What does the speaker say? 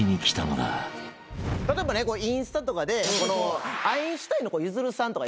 例えばねインスタとかでアインシュタインのゆずるさんとか。